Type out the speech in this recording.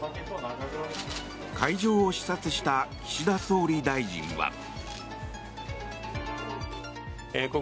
会場を視察した岸田総理大臣は。